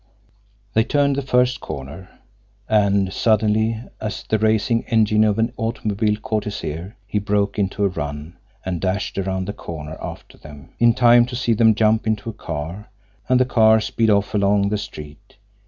They turned the first corner. And suddenly, as the racing engine of an automobile caught his ear, he broke into a run, and dashed around the corner after them in time to see them jump into a car, and the car speed off along the street!